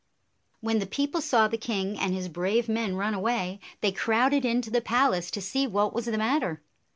When the people saw the king and his brave 99 c ( IOO men run away, they crowded into the palace to see what was the matter.